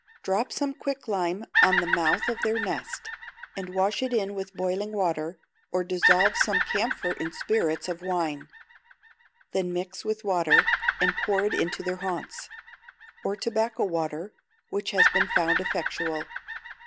Drop some quicklime on the mouth of their nest, and wash it in with boiling water; or dissolve some camphor in spirits of wine, then mix with water, and pour into their haunts; or tobacco water, which has been found effectual.